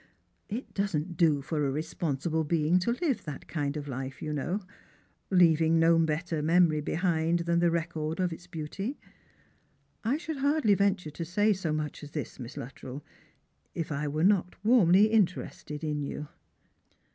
' It doesn't do for a responsible being to live that kind of life, you know, leaving no better memory behind than the record of its beauty. I should hai'dly venture to say so much as this Miss Luttrell, if I were not warmly interested in you."